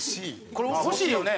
これ欲しいよね。